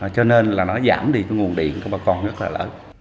cho nên là nó giảm đi cái nguồn điện của bà con rất là lớn